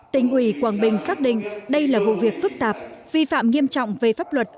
tỉnh ủy quảng bình xác định đây là vụ việc phức tạp vi phạm nghiêm trọng về pháp luật